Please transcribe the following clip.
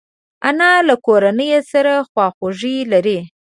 انا له کورنۍ سره خواخوږي لري